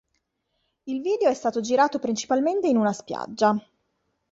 Il video è stato girato principalmente in una spiaggia.